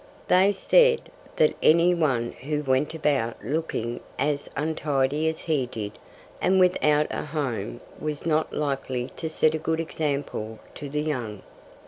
They said that any one who went about looking as untidy as he did, and without a home, was not likely to set a good example to the young.